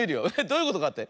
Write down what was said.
どういうことかって？